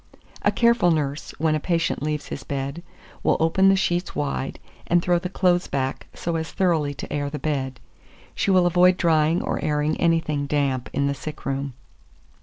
2425. A careful nurse, when a patient leaves his bed, will open the sheets wide, and throw the clothes back so as thoroughly to air the bed; She will avoid drying or airing anything damp in the sick room.